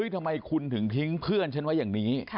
ทำไมคุณถึงทิ้งเพื่อนฉันไว้อย่างนี้